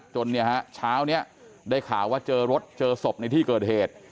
เช้านี้ได้ข่าวว่าเจอรถเจอศพในที่เกิดเหตุ